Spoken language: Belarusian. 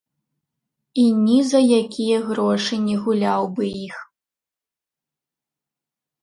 І ні за якія грошы не гуляў бы іх.